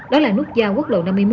đó là nút giao quốc lộ năm mươi một